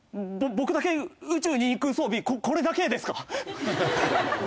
僕だけ宇宙に行く装備これだけですか？